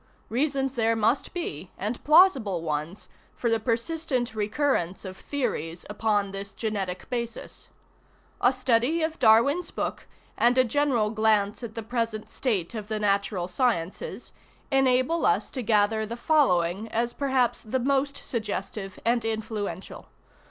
Reasons there must be, and plausible ones, for the persistent recurrence of theories upon this genetic basis. A study of Darwin's book, and a general glance at the present state of the natural sciences, enable us to gather the following as perhaps the most suggestive and influential.